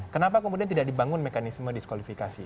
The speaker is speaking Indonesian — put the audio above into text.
kenapa kemudian tidak dibangun mekanisme diskualifikasi